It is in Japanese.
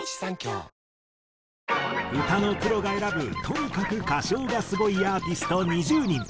歌のプロが選ぶとにかく歌唱がスゴいアーティスト２０人。